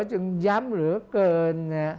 จึงย้ำเหลือเกิน